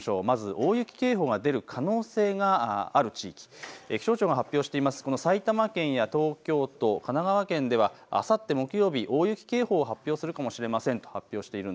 まず大雪警報が出る可能性がある地域、気象庁が発表している埼玉県や東京都、神奈川県ではあさって木曜日、大雪警報を発表するかもしれません。